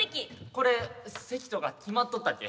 これ席とか決まっとったっけ？